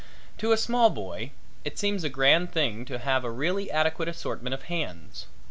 To a small boy it seems a grand thing to have a really adequate assortment of hands.